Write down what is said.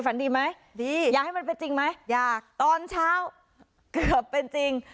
ฝันดีไหมดีอยากให้มันเป็นจริงไหมอยากตอนเช้าเกือบเป็นจริง